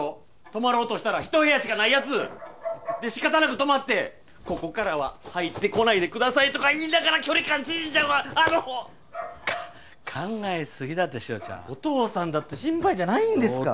泊まろうとしたら１部屋しかないやつで仕方なく泊まって「ここからは入ってこないでください」とか言いながら距離感縮んじゃうあの考えすぎだって塩ちゃんおとうさんだって心配じゃないんですか？